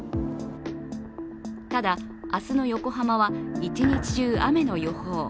ただ、明日の横浜は一日中、雨の予報。